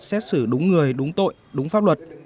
xét xử đúng người đúng tội đúng pháp luật